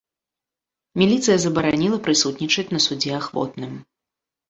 Міліцыя забараніла прысутнічаць на судзе ахвотным.